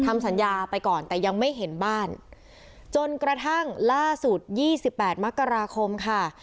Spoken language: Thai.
ทำสัญญาไปก่อนแต่ยังไม่เห็นบ้านจนกระทั่งล่าสุดยี่สิบแปดมกราคมค่ะ